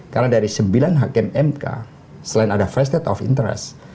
karena dari sembilan hakim mk selain ada first state of interest